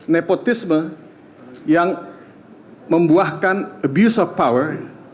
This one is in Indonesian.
nepotisme yang membuahkan abuse of power